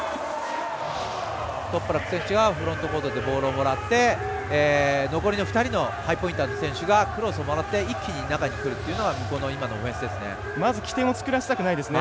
トプラク選手がフロントコートでボールをもらって残り２人のハイポインターの選手がクロスをもらって一気にくるのが向こうのオフェンスですね。